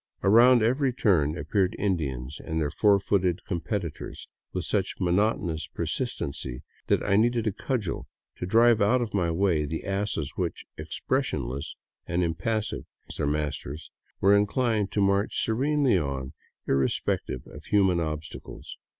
Around every turn appeared Indians and their four footed competitors, with such monotonous persistency that I needed a cudgel to drive out of my way the asses which, expressionless and impassive as their masters, were inclined to march serenely on, irrespective of human obstacles.